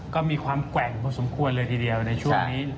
ก็มีความแกว่งพอสมควรเลยทีเดียวในช่วงนี้